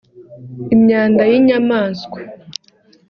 imyanda y’inyamanswa